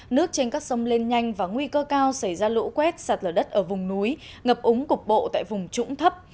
nước trên các sông lên nhanh và nguy cơ cao xảy ra lũ quét sạt lở đất ở vùng núi ngập úng cục bộ tại vùng trũng thấp